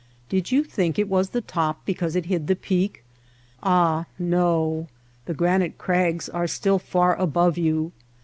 Did you think it was the top because it hid the peak ? Ah no; the granite crags are still far above you.